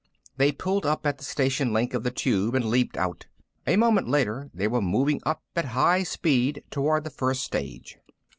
They pulled up at the station link of the Tube and leaped out. A moment later they were moving up at high speed toward the first stage.